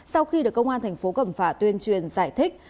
sau khi được công an thành phố cẩm phả tuyên truyền giải thích